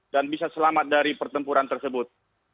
dan bisa selamat dari pertempuran tersebut